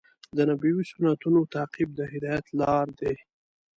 د نبوي سنتونو تعقیب د هدایت لار دی.